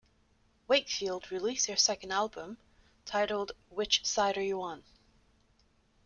Wakefield released their second album, titled Which Side Are You On?